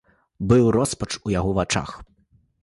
Быў роспач у яго вачах.